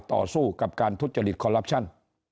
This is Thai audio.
ต่อสู้กับการทุจริตคอลลับชั่น